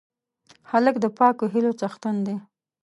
هلک د پاکو هیلو څښتن دی.